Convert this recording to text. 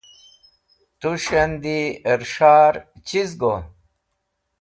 Tush andi ẽr s̃har chiz go ?